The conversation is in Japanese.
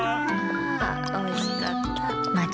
あおいしかった。